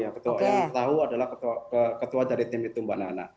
yang tahu adalah ketua dari tim itu mbak nana